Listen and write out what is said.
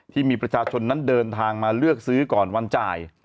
ที่มีประชาชนนั้นเดินทางมาเลือกซื้อก่อนวันจ่าย